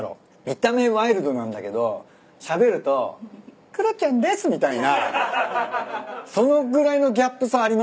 見た目ワイルドなんだけどしゃべると「クロちゃんです」みたいなそのぐらいのギャップ差ありますよ。